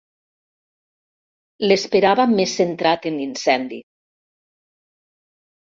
L'esperava més centrat en l'incendi.